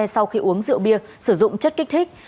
sau khi uống rượu bia sử dụng chất kích thích